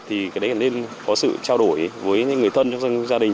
thì cái đấy nên có sự trao đổi với những người thân trong gia đình